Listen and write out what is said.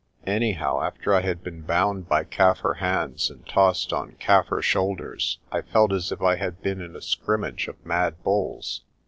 Anyhow, after I had been bound by Kaffir hands and tossed on Kaffir shoulders, I felt as if I had been in a scrimmage of mad bulls.